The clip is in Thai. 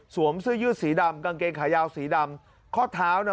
เสื้อยืดสีดำกางเกงขายาวสีดำข้อเท้าน่ะ